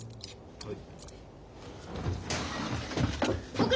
はい。